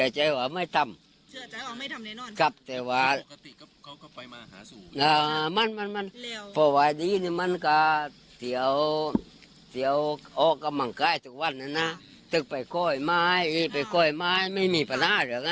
แต่ว่าผมรู้สึกว่ายักมารรริ่วอ๋อแต่อันนั้นไม่มีประหนอนะ